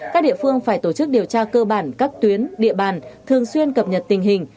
các địa phương phải tổ chức điều tra cơ bản các tuyến địa bàn thường xuyên cập nhật tình hình